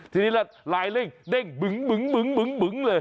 ทีนี้ละลายเร่งเด้งบึงเลย